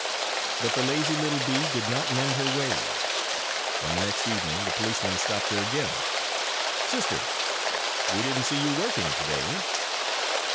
But the lazy little bee did not mend her ways. On the next evening the policemen stopped her again: "Sister, we didn't see you working today!"